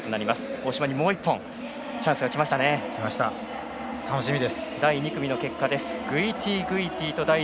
大島にもう１本チャンスが来ましたね。